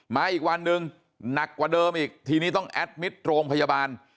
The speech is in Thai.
มาอีกวันหนึ่งหนักกว่าเดิมอีกทีนี้ต้องแอดมิตรโรงพยาบาล